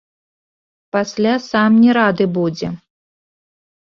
Пасля сам не рады будзе!